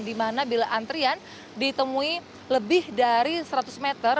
di mana bila antrian ditemui lebih dari seratus meter